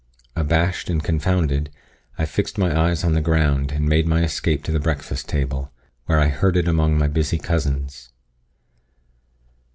Abashed and confounded, I fixed my eyes on the ground, and made my escape to the breakfast table, where I herded among my busy cousins.